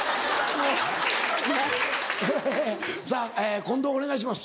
えさぁ近藤お願いします。